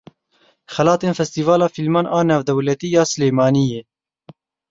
Xelatên Festîvala Fîlman a Navdewletî ya Silêmaniyê.